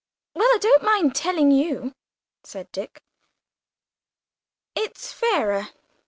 "Well, I don't mind telling you," said Dick, "it's fairer.